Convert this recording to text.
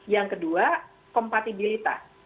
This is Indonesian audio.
yang kedua kompatibilitas